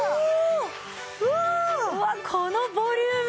うわっこのボリューム。